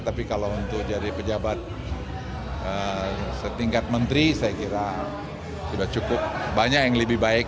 tapi kalau untuk jadi pejabat setingkat menteri saya kira sudah cukup banyak yang lebih baik